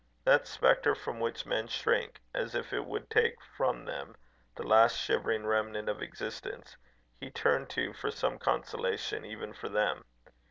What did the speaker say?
That spectre from which men shrink, as if it would take from them the last shivering remnant of existence, he turned to for some consolation even for them.